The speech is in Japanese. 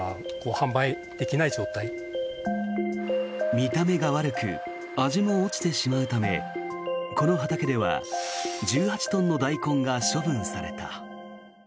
見た目が悪く味も落ちてしまうためこの畑では１８トンの大根が処分された。